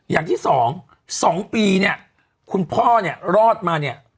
อย่างที่สองสองปีคุณพ่อนี่รอดมา